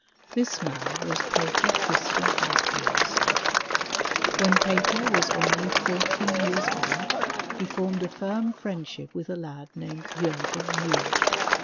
This man was Peter Christen Asbjomsen. When Peter was only fourteen years old he formed a firm friendship with a lad named Jorgen Moe.